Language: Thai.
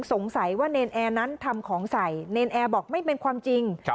สงสัยว่าเนรนแอร์นั้นทำของใส่เนรนแอร์บอกไม่เป็นความจริง